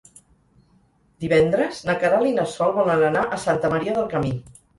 Divendres na Queralt i na Sol volen anar a Santa Maria del Camí.